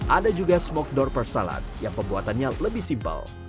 ada juga smoked doper salad yang pembuatannya lebih simpel